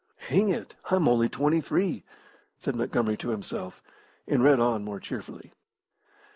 "Hang it, I'm only twenty three!" said Montgomery to himself, and read on more cheerfully.